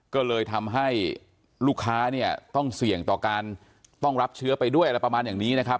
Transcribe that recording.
ก็เลยทำให้ลูกค้าเนี่ยต้องเสี่ยงต่อการต้องรับเชื้อไปด้วยอะไรประมาณอย่างนี้นะครับ